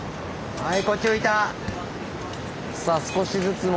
はい。